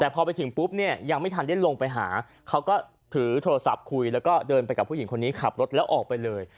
แต่พอไปถึงปุ๊บเนี่ยยังไม่ทันได้ลงไปหาเขาก็ถือโทรศัพท์คุยแล้วก็เดินไปกับผู้หญิงคนนี้ขับรถแล้วออกไปเลย